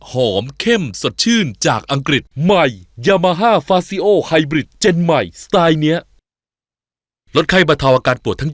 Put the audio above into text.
เหลือไม่เสียดาระ